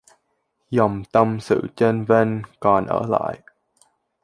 Dòng tâm sự chênh vênh còn ở lại